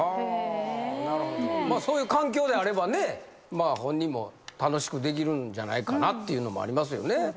そういう環境であればね本人も楽しくできるんじゃないかなっていうのもありますよね。